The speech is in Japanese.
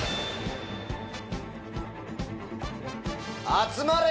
集まれ！